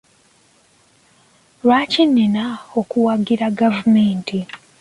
Lwaki nnina okuwagira gavumenti?